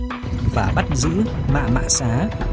cẩn và bắt giữ mạng mạng xá